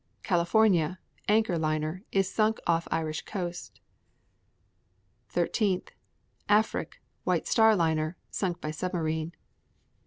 California, Anchor liner, is sunk off Irish coast. 13. Afric, White Star liner, sunk by submarine.